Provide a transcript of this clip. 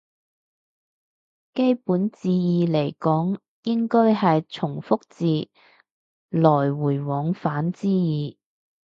基本字義嚟講應該係從復字，來回往返之意